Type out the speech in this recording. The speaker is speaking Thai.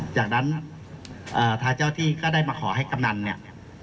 จากนั้นทางเจ้าที่ก็ได้มาขอให้กำนันเนี่ย